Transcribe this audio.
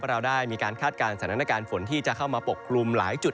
เราได้มีการคาดการณ์สถานการณ์ฝนที่จะเข้ามาปกกลุ่มหลายจุด